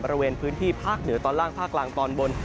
บริเวณพื้นที่ภาคเหนือตอนล่างภาคกลางตอนบน